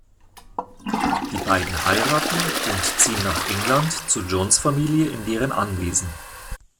Die beiden heiraten und ziehen nach England zu Johns Familie in deren Anwesen.